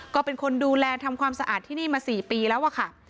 ก็เป็นคนดูแลทำความสะอาดที่นี่มา๔ปีแล้วอะค่ะ